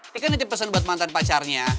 tika nanti pesen buat mantan pacarnya